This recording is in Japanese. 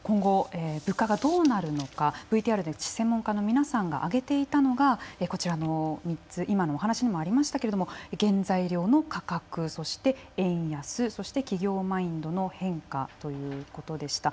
今後物価がどうなるのかＶＴＲで専門家の皆さんが挙げていたのが今のお話にもありましたが原材料の価格、そして、円安そして、企業マインドの変化ということでした。